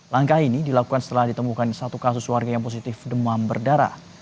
langkah ini dilakukan setelah ditemukan satu kasus warga yang positif demam berdarah